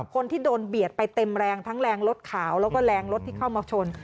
คนที่โดนเบียดไปเต็มแรงทั้งแรงรถขาวแล้วก็แรงรถที่เข้ามาชน